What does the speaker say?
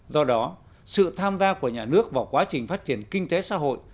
do đó sự tham gia của nhà nước vào quá trình phát triển kinh tế xã hội